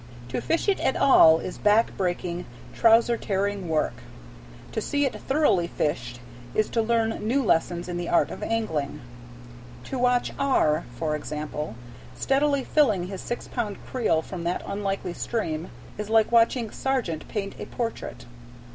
To fish it at all is back breaking, trouser tearing work; to see it thoroughly fished is to learn new lessons in the art of angling. To watch R., for example, steadily filling his six pound creel from that unlikely stream, is like watching Sargent paint a portrait.